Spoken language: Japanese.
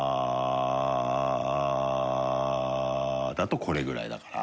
世これぐらいだから。